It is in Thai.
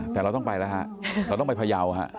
แต่เราต้องไปแล้วฮะเราต้องไปพยาวฮะ